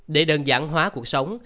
để đơn giản hóa cuộc sống